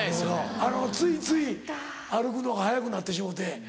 あのついつい歩くのが速くなってしもうて。